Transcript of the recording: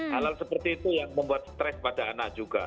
hal hal seperti itu yang membuat stres pada anak juga